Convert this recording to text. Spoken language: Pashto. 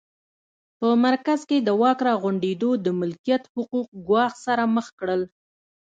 په مرکز کې د واک راغونډېدو د ملکیت حقوق ګواښ سره مخ کړل